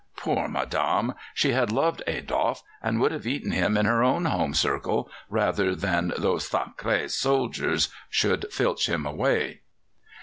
Poor madame! She had loved Adolfe, and would have eaten him in her own home circle rather than that those sacrés soldiers should filch him away.